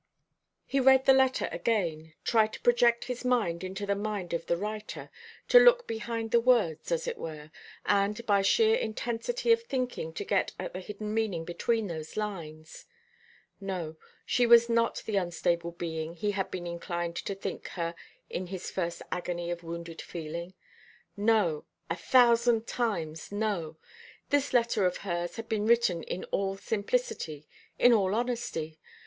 He read the letter again tried to project his mind into the mind of the writer, to look behind the words, as it were, and by sheer intensity of thinking to get at the hidden meaning between those lines. No, she was not the unstable being he had been inclined to think her in his first agony of wounded feeling. No a thousand times no. This letter of hers had been written in all simplicity, in all honesty.